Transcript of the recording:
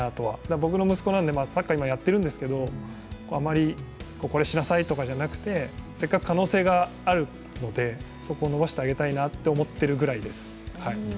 僕の息子なのでサッカーを今やっているんですけど、あまり、「これしなさい」とかじゃなくて、せっかく可能性があるのでそこを伸ばしてあげたいなと思っているくらいです。